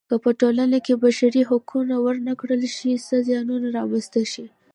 که په ټولنه کې بشري حقونه ورنه کړل شي څه زیانونه رامنځته شي.